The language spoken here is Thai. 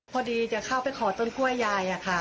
พอดีจะเข้าไปขอต้นกล้วยยายค่ะ